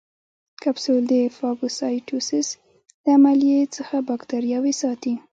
کپسول د فاګوسایټوسس له عملیې څخه باکتریاوې ساتي.